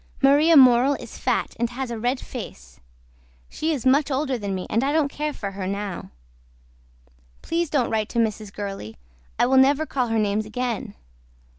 MARIA MORELL IS FAT AND HAS A RED FACE SHE IS MUCH OLDER THAN ME AND I DON'T CARE FOR HER NOW. PLEASE DON'T WRITE TO MRS. GURLEY I WILL NEVER CALL HER NAMES AGAIN.